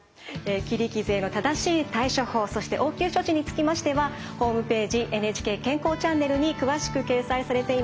切り傷への正しい対処法そして応急処置につきましてはホームページ「ＮＨＫ健康チャンネル」に詳しく掲載されています。